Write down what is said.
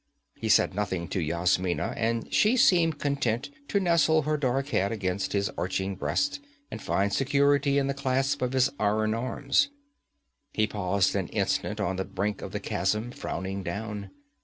He said nothing to Yasmina, and she seemed content to nestle her dark head against his arching breast and find security in the clasp of his iron arms. He paused an instant on the brink of the chasm, frowning down.